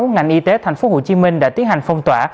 ngành y tế thành phố hồ chí minh đã tiến hành phong tỏa